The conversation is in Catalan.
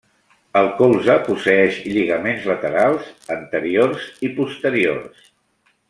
El colze posseeix lligaments laterals, anteriors i posteriors.